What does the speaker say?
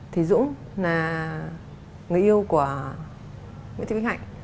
thì dũng là người yêu của nguyễn thị bích hạnh